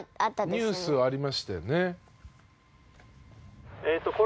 ニュースありましたよね？